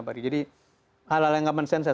bagaimana jadi hal hal yang kepentingan saya